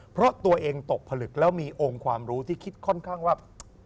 เพราะตัวเองตกผลึกแล้วมีองค์ความรู้ที่คิดค่อนข้างว่า